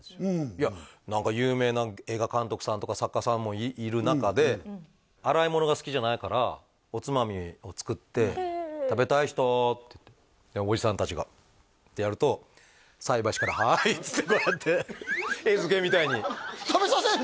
いや有名な映画監督さんとか作家さんもいる中で洗い物が好きじゃないからおつまみを作って「食べたい人？」って言っておじさん達がってやると菜箸から「はい」っつってこうやって餌付けみたいに食べさせるの？